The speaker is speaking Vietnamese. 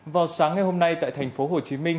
vào sáng ngày hôm nay tại tp hcm